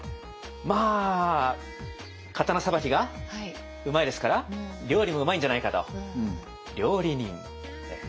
まあ刀さばきがうまいですから料理もうまいんじゃないかと「料理人」。